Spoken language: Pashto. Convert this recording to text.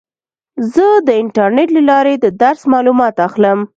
زه د انټرنیټ له لارې د درس معلومات اخلم.